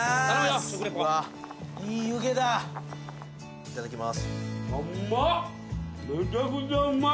いただきます。